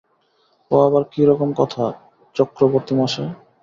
ও আবার কী রকম কথা চক্রবর্তীমশায়?